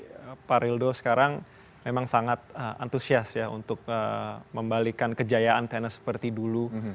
dan ketua plt pak rildo sekarang memang sangat antusias ya untuk membalikan kejayaan tenis seperti dulu